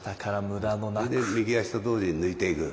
それで右足と同時に抜いていく。